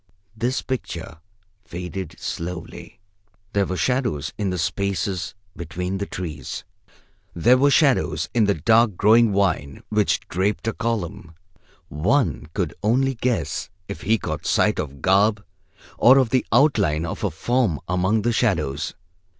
This picture faded slowly. There were shadows in the spaces between the trees. There were shadows in the dark growing vine which draped a column. One could only guess if he caught sight of garb or of the outline of a form among the shadows.